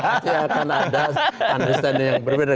nanti akan ada understanding yang berbeda